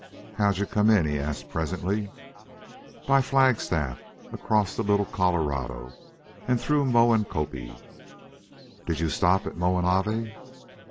"How'd you come in?" he asked, presently. "By Flagstaff across the Little Colorado and through Moencopie." "Did you stop at Moen Ave?"